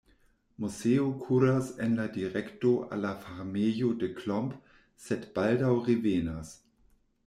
Moseo kuras en la direkto al la farmejo de Klomp, sed baldaŭ revenas.